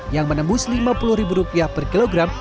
yang menembus rp lima puluh per kilogram